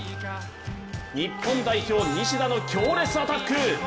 日本代表、西田の強烈アタック。